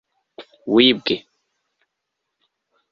wibwe